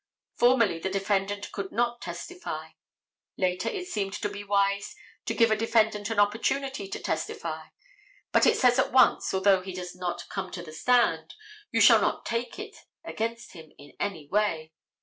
Formerly the defendant could not testify. Later it seemed to be wise to give a defendant an opportunity to testify, but it says at once, although he does not come to the stand, you shall not take that against him in any way.